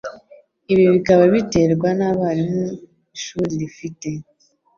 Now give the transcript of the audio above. ibi bikaba biterwa 'abarimu ishuri rifite.